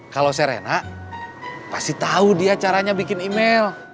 kalau serena pasti tahu dia caranya bikin email